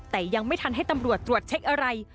แต่ยังไม่ทันให้ตำรวจตรวจเช็คอะไร